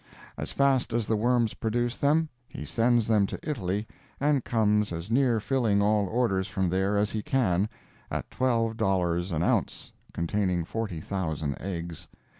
As fast as the worms produce them, he sends them to Italy, and comes as near filling all orders from there as he can, at twelve dollars an ounce (containing forty thousand eggs.)